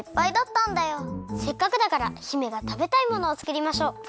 せっかくだから姫がたべたいものをつくりましょう！